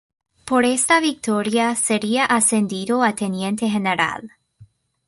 Por esta victoria sería ascendido a teniente general.